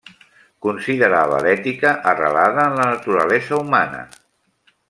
Considerava l'ètica arrelada en la naturalesa humana.